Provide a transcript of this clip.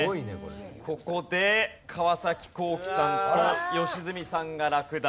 ここで川皇輝さんと良純さんが落第です。